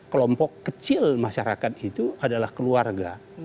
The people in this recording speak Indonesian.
kelompok kecil masyarakat itu adalah keluarga